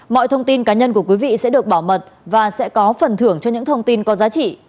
mọi thông tin cá nhân của quý vị sẽ được bảo mật và sẽ có phần thưởng cho những thông tin có giá trị